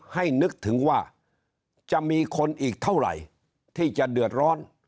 นึกถึงว่าจะมีคนอีกเท่าไหร่ที่จะเดือดร้อน